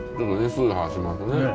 スーハーしますね。